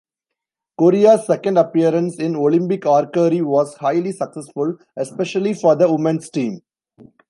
Korea's second appearance in Olympic archery was highly successful, especially for the women's team.